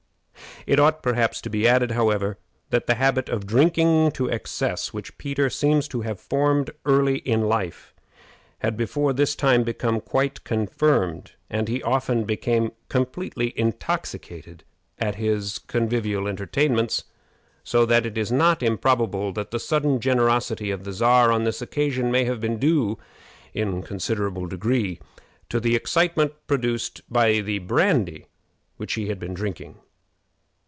It ought, perhaps, to be added, however, that the habit of drinking to excess, which Peter seems to have formed early in life, had before this time become quite confirmed, and he often became completely intoxicated at his convivial entertainments, so that it is not improbable that the sudden generosity of the Czar on this occasion may have been due, in a considerable degree, to the excitement produced by the brandy which he had been drinking.